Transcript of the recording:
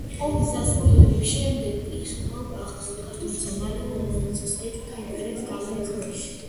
ომის დასრულების შემდეგ ის კვლავ აღსდგა, თუმცა მალევე მოექცა საბჭოთა იმპერიის გავლენის ქვეშ.